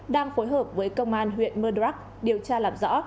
đang phối hợp với công an huyện mơ đrắc điều tra làm rõ